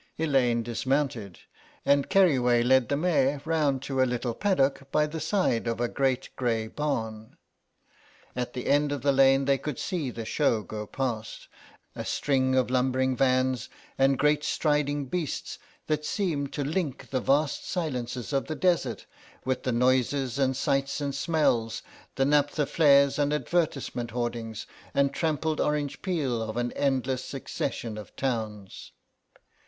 Elaine dismounted, and Keriway led the mare round to a little paddock by the side of a great grey barn. At the end of the lane they could see the show go past, a string of lumbering vans and great striding beasts that seemed to link the vast silences of the desert with the noises and sights and smells, the naphtha flares and advertisement hoardings and trampled orange peel, of an endless succession of towns.